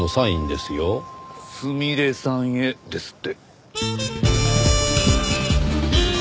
「すみれさんへ」ですって。